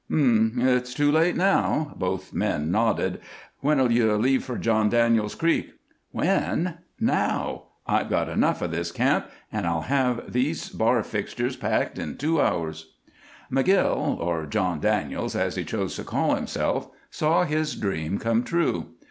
"Hm m! It's too late now." Both men nodded. "When 'll you leave for John Daniels Creek?" "When? Now! I've got enough of this camp, and I'll have these bar fixtures packed in two hours." McGill or John Daniels, as he chose to call himself saw his dream come true.